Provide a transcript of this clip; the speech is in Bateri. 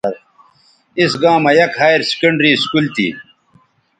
اِس گاں مہ یک ہائیر سیکنڈری سکول تھی